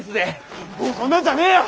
そんなんじゃねえよ！